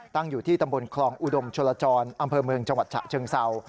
อยู่ที่ตำบลคลองอุดมชลจรอำเภอเมืองจังหวัดฉะเชิงเศร้า